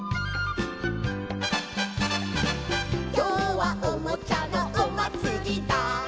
「きょうはおもちゃのおまつりだ」